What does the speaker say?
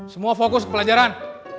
semua fokus ke pelajaran